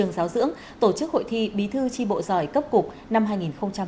giáo dưỡng tổ chức hội thi bí thư chi bộ giỏi cấp cục năm hai nghìn hai mươi ba